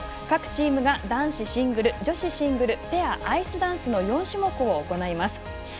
各チームが男子シングル女子シングルペア、アイスダンスの４種目を行います。